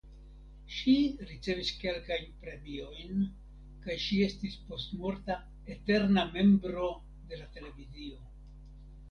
Ŝi ricevis kelkajn premiojn kaj ŝi estas postmorta "eterna membro de la televizio".